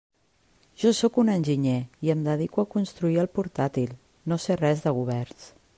Jo sóc un enginyer i em dedico a construir el portàtil, no sé res de governs.